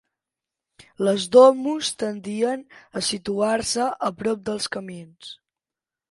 Les domus tendien a situar-se a prop dels camins.